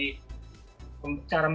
cara membaca bahasa